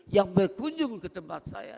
yang berkunjung ke tempat saya